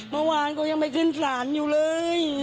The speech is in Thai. เมื่อวานก็ยังไม่ขึ้นศาลอยู่เลย